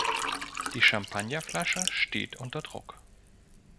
Die Champagnerflasche steht unter Druck.